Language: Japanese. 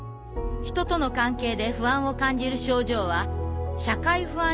人との関係で不安を感じる症状は社会不安